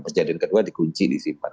kejadian kedua dikunci disimpan